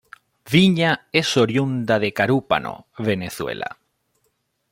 Viña es oriunda de Carúpano, Venezuela.